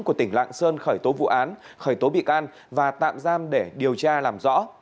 của tỉnh lạng sơn khởi tố vụ án khởi tố bị can và tạm giam để điều tra làm rõ